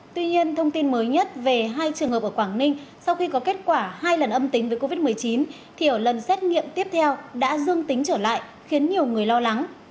tuy nhiên thông tin mới nhất về hai trường hợp ở quảng ninh sau khi có kết quả hai lần âm tính với covid một mươi chín thì ở lần xét nghiệm tiếp theo đã dương tính trở lại khiến nhiều người lo lắng